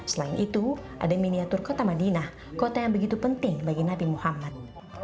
selain itu ada miniatur kota madinah kota yang begitu penting bagi nabi muhammad